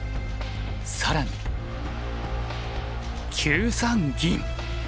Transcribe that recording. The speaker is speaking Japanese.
更に９三銀。